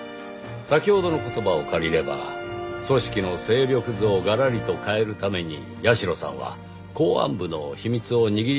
先ほどの言葉を借りれば組織の勢力図をがらりと変えるために社さんは公安部の秘密を握りたかったという事ですよ。